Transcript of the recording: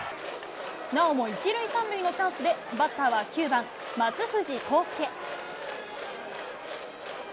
なおも１塁３塁のチャンスでバッターは９番松藤孝介。